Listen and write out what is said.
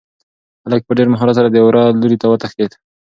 هلک په ډېر مهارت سره د وره لوري ته وتښتېد.